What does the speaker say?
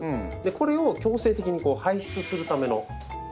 これを強制的に排出するためのものなんです。